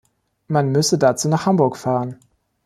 Man müsse dazu nach Hamburg fahren.